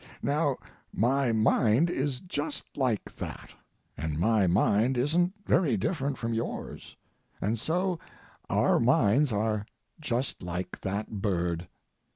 Now, my mind is just like that, and my mind isn't very different from yours—and so our minds are just like that bird.